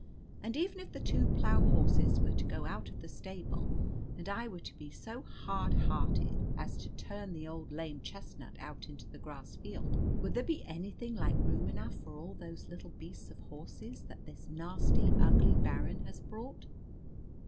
And even if the two plough horses were to go out of the stable, and I were to be so hard hearted as to turn the old lame chestnut out into the grass field, would there be anything like room enough for all those little beasts of horses that this nasty ugly Baron has brought?